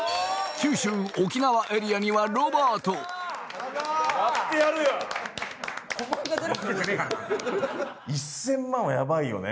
九州沖縄エリアにはロバート１０００万はやばいよね